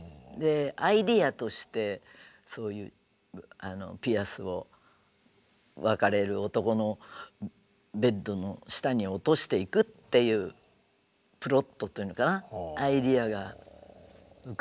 アイデアとしてピアスを別れる男のベッドの下に落としていくっていうプロットというのかなアイデアが浮かんで。